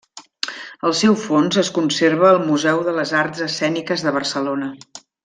El seu fons es conserva al Museu de les Arts Escèniques de Barcelona.